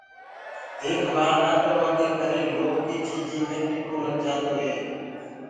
ديک ڀآل نآ ڪروآ ڪي ڪرآ لوه ڪي چيجينٚ مي جنگ لگدو هي۔